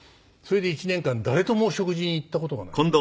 それで１年間誰とも食事に行った事がない。